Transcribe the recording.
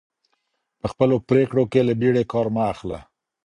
په خپلو پرېکړو کي له بیړې کار مه اخله.